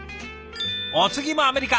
お次もアメリカ。